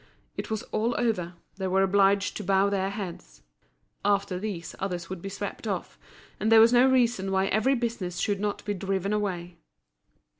It was all over, they were obliged to bow their heads. After these others would be swept off, and there was no reason why every business should not be driven away.